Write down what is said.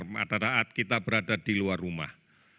pada saat kita berada di luar rumah